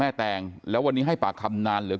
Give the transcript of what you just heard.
นางนาคะนี่คือยยน้องจีน่าคุณยายถ้าแท้เลย